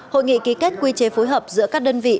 hội nghị ký kết quy chế phối hợp giữa các đơn vị